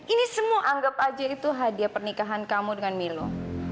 ini semua anggap aja itu hadiah pernikahan kamu dengan milo